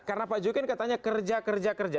karena pak jokowi katanya kerja kerja kerja